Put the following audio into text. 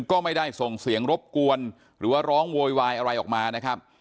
ก็ไม่ได้ส่งเสียงรบกวนหรือว่าร้องโวยวายอะไรออกมานะครับ